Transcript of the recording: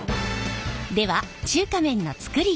では中華麺の作り方。